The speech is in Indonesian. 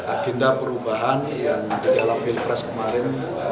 agenda perubahan yang di dalam pilpres kemarin